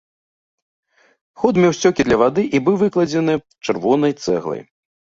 Ход меў сцёкі для вады і быў выкладзены чырвонай цэглай.